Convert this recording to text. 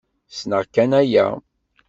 Snneɣ kan aya.